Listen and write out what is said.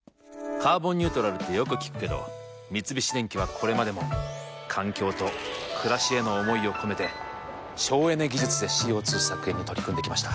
「カーボンニュートラル」ってよく聞くけど三菱電機はこれまでも環境と暮らしへの思いを込めて省エネ技術でＣＯ２削減に取り組んできました。